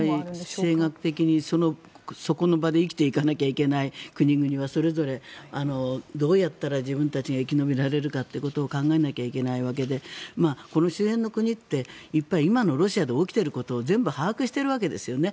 地政学的にそこの場で生きていかないといけない国々はそれぞれどうやったら自分たちが生き延びられるかということを考えなきゃいけないわけでこの周辺の国って今のロシアで起きていることを全部把握しているわけですよね。